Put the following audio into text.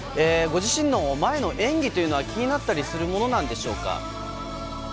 ご自身の前の演技というのは気になったりするものなんでしょうか？